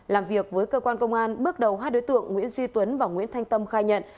làm việc với cơ quan công an bước đầu hai đối tượng nguyễn duy tuấn và nguyễn thanh tâm khai nhận